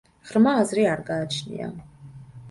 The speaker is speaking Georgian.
ღრმა აზრი არ გააჩნია.